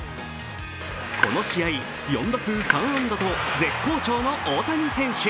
この試合、４打数３安打と絶好調の大谷選手。